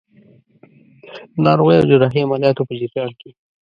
د ناروغۍ او جراحي عملیاتو په جریان کې.